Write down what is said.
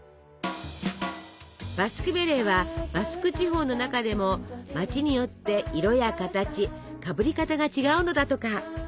バスクベレーはバスク地方の中でも街によって色や形かぶり方が違うのだとか。